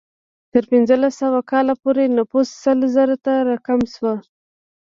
تر پنځلس سوه کال پورې نفوس سل زرو ته راکم شو.